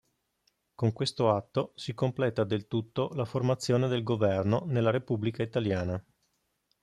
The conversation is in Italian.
Con questo atto si completa del tutto la formazione del governo nella Repubblica Italiana.